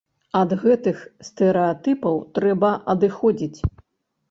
Ад гэтых стэрэатыпаў трэба адыходзіць.